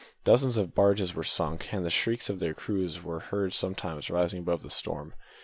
Dozens of barges were sunk, and the shrieks of their crews were heard sometimes rising above the storm.